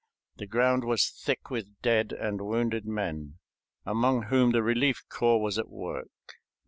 The ground was thick with dead and wounded men, among whom the relief corps was at work.